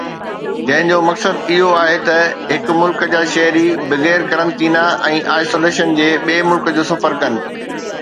جنهن جو مقصد اهو آهي ته هڪ ملڪ جا شهري بغير قرنطينه ۽ آئسوليشن جي ٻئي ملڪ جو سفر ڪن